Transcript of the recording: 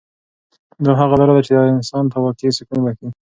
دا هغه لاره ده چې انسان ته واقعي سکون بښي.